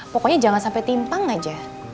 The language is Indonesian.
pokoknya jangan sampai timpang aja